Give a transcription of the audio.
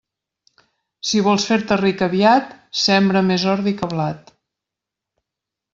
Si vols fer-te ric aviat, sembra més ordi que blat.